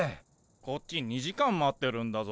こっち２時間待ってるんだぞ。